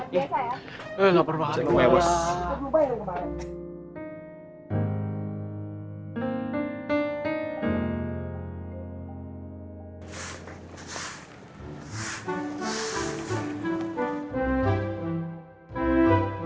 jangan kebawah ya lo kebawah ya